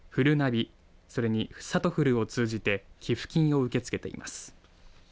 びそれに、さとふるを通じて寄付金を受け付けています。